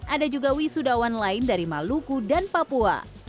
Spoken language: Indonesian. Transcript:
ada juga wisudawan lain dari maluku dan papua